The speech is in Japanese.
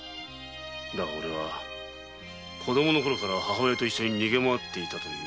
だがおれは「子供のころから母親と逃げまわっていた」という。